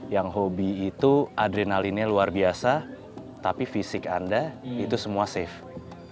yang hobi itu adrenalinnya luar biasa tapi fisik anda itu semua safe